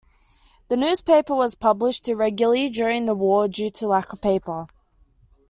The newspaper was published irregularly during the war due to lack of paper.